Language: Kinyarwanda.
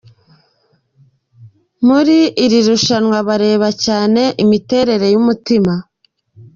Muri iri suzuma bareba cyane imiterere y’umutima.